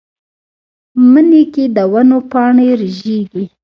مني کې د ونو پاڼې رژېږي